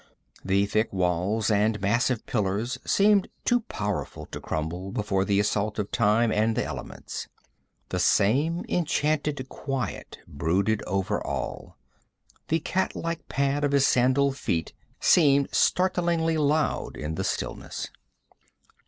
The thick walls and massive pillars seemed too powerful to crumble before the assault of time and the elements. The same enchanted quiet brooded over all. The cat like pad of his sandaled feet seemed startlingly loud in the stillness.